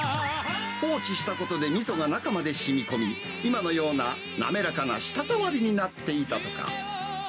放置したことでみそが中までしみこみ、今のような滑らかな舌触りになっていたとか。